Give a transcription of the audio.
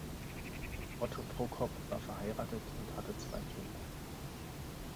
Otto Prokop war verheiratet und hatte zwei Kinder.